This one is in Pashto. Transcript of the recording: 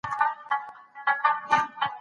ایا د شکرې د مخنیوي لپاره د ورزش کول ضروري دي؟